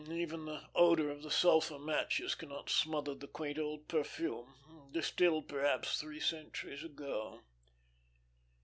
"Even the odour of the sulphur matches cannot smother the quaint old perfume, distilled perhaps three centuries ago."